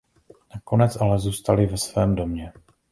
Nakonec ale zůstali ve svém domě.